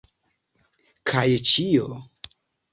Kaj ĉio.